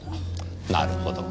なるほど。